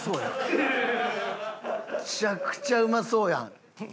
めちゃくちゃうまそうやん。